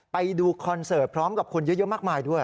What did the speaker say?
ไปดูคอนเสิร์ตพร้อมกับคนเยอะมากมายด้วย